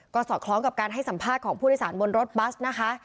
ก็สอดคล้องกับการให้สัมภาษณ์ของผู้โดยสารบนรถบัสนะคะ